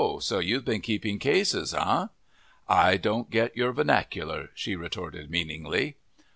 So you've been keeping cases, eh?" "I don't get your vernacular," she retorted meaningly.